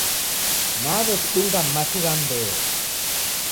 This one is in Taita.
Naw'ekudunga machi gha mbeo.